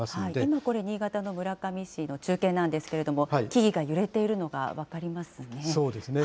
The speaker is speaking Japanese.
今これ、新潟の村上市の中継なんですけれども、木々が揺れているのが分かりますね。